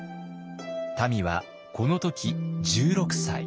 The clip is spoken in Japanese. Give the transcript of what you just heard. たみはこの時１６歳。